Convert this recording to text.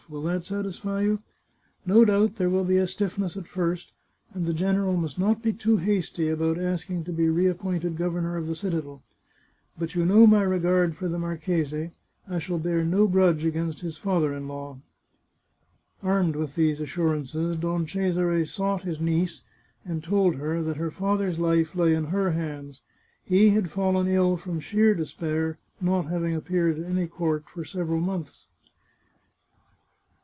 Will that satisfy you ? No doubt there will be a stiffness at first, and the general must not be too hasty about asking to be reappointed governor of the citadel. But you know my regard for the marchese ; I shall bear no grudge against his father in law." Armed with these assurances, Don Cesare sought his niece, and told her that her father's life lay in her hands ; he had fallen ill from sheer despair, not having appeared at any court for several months.